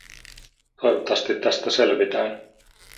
Toivottavasti tästä selvitään.